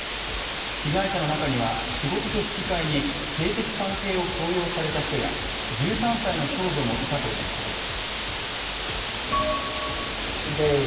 被害者の中には、仕事と引き換えに性的関係を強要された人や、１３歳の少女もいたということです。